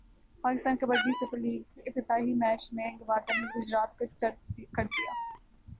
Pakistan kabaddi super لیگافتتاحی match میں گوادر نے گجرات کو چت کردیا